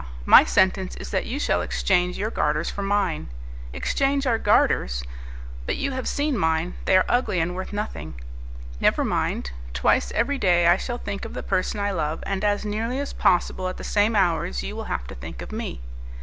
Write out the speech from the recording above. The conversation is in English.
my sentence is that you shall exchange your garters for mine." "Exchange our garters! But you have seen mine, they are ugly and worth nothing." "Never mind. Twice every day I shall think of the person I love, and as nearly as possible at the same hours you will have to think of me."